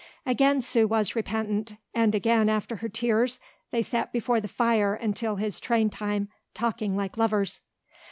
Again Sue was repentant and again after her tears they sat before the fire until his train time, talking like lovers.